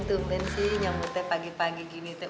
tumben sih nyamudnya pagi pagi gini teh